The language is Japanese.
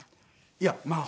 いやまあ